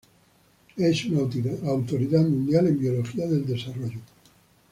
Es una autoridad mundial en Biología del desarrollo.